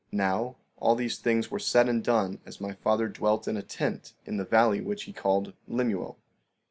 16:6 Now, all these things were said and done as my father dwelt in a tent in the valley which he called Lemuel.